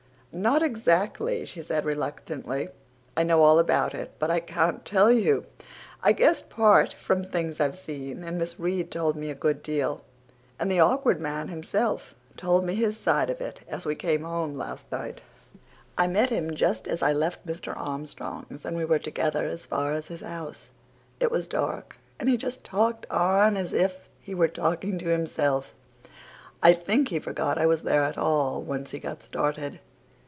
"Not exactly," she said reluctantly. "I know all about it but I can't tell you. I guessed part from things I've seen and Miss Reade told me a good deal and the Awkward Man himself told me his side of it as we came home last night. I met him just as I left Mr. Armstrong's and we were together as far as his house. It was dark and he just talked on as if he were talking to himself I think he forgot I was there at all, once he got started.